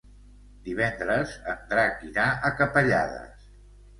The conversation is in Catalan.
Divendres en Drac irà a Capellades.